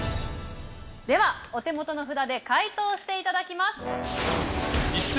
ではお手元の札で解答していただきます。